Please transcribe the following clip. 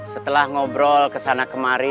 setelah ngobrol kesana kemari